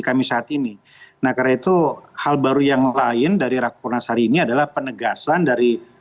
kami saat ini nah karena itu hal baru yang lain dari rakornas hari ini adalah penegasan dari